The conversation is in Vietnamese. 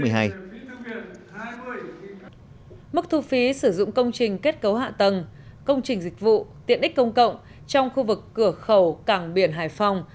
mức thu phí sử dụng công trình kết cấu hạ tầng công trình dịch vụ tiện ích công cộng trong khu vực cửa khẩu cảng biển hải phòng